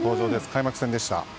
開幕戦でした。